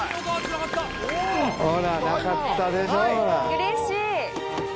うれしい！